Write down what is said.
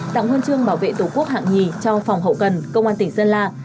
tặng huân chương bảo vệ tổ quốc hạng nhì cho phòng hậu cần công an tỉnh sơn la